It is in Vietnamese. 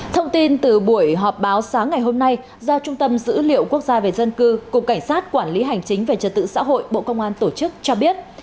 thông tin từ buổi họp báo sáng ngày hôm nay do trung tâm dữ liệu quốc gia về dân cư cục cảnh sát quản lý hành chính về trật tự xã hội bộ công an tổ chức cho biết